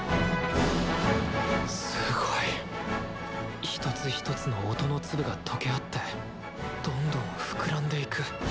すごい！一つ一つの音の粒が溶け合ってどんどん膨らんでいく。